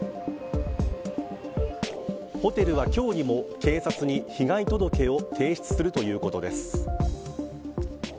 ホテルは、今日にも警察に被害届を提出するということです。